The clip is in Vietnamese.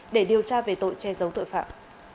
để điều tra về tội che giấu tội phạm